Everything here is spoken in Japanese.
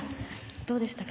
どうでしたか。